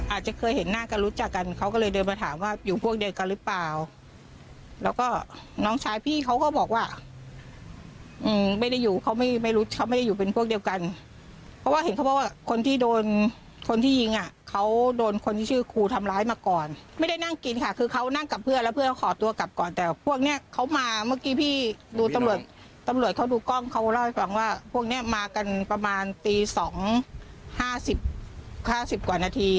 อาจจะมาถามกันประมาณตี๒๕๐กว่านาที